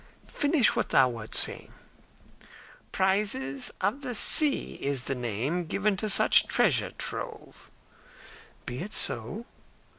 "Finish what thou wert saying." "'Prizes of the sea' is the name given to such treasure trove." "Be it so."